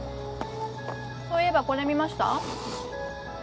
そういえばこれ見ました？